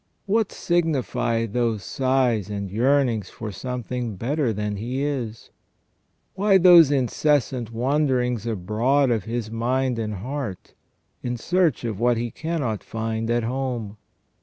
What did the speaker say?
What signify those sighs and yearnings for something better than he is ? Why those incessant wanderings abroad of his mind and heart in search of what he cannot find at home